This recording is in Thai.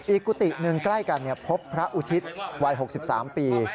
กุฏิหนึ่งใกล้กันพบพระอุทิศวัย๖๓ปี